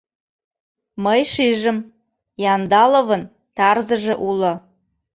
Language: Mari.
Мый шижым: Яндаловын тарзыже уло.